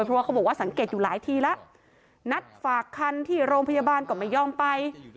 เพราะว่าเขาบอกว่าสังเกตอยู่หลายทีแล้วนัดฝากคันที่โรงพยาบาลก็ไม่ยอมไป